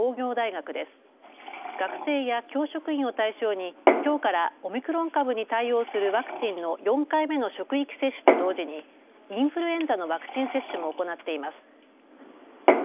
学生や教職員を対象にきょうからオミクロン株に対応するワクチンの４回目の職域接種と同時にインフルエンザのワクチン接種も行っています。